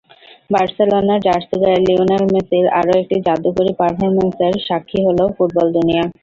বার্সেলোনার জার্সি গায়ে লিওনেল মেসির আরও একটি জাদুকরী পারফরম্যান্সের সাক্ষী হলো ফুটবল দুনিয়া।